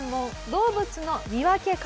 動物の見分け方。